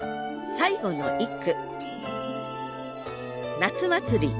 最後の一句